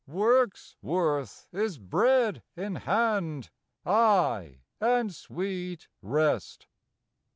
Work's worth is bread in hand, Ay, and sweet rest.